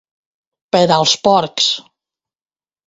Per als porcs!